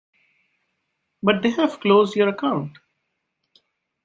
But they've closed your account.